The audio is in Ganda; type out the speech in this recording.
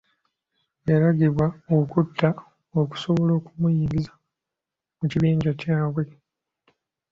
Yalagibwa okutta okusobola okumuyingiza mu kibinja kyabwe.